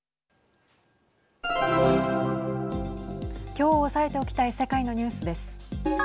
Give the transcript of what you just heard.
きょう押さえておきたい世界のニュースです。